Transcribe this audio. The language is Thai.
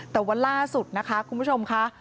แต่วันล่าสุดนะคะคุณผู้ชมค่ะ